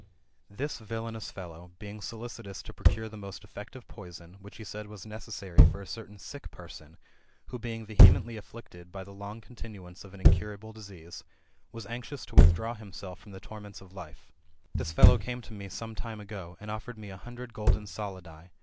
This villanous fellow, being solicitous to procure the most effective poison, which he said was necessary for a certain sick person, who being vehe mently afflicted by the long continuance of an incurable disease, was anxious to withdraw himself from the torments of life ; this fellow came to me some time ago, and offered me a hundred golden solidi [Z.